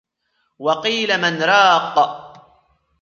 وقيل من راق